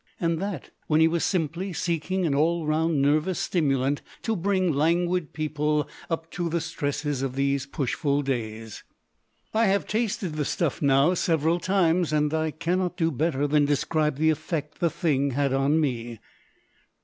And that when he was simply seeking an all round nervous stimulant to bring languid people up to the stresses of these pushful days. I have tasted the stuff now several times, and I cannot do better than describe the effect the thing had on me.